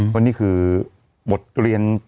วันนี้คือบทเรียน